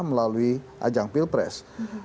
melalui ajang pilpres